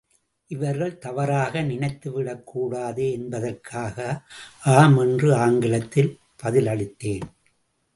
இவர்கள் தவறாக நினைத்து விடக் கூடாதே என்பதற்காக, ஆம் என்று ஆங்கிலத்தில் பதில் அளித்தேன்.